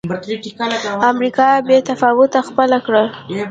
امریکا بې تفاوتي خپله کړه.